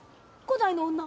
伍代の女。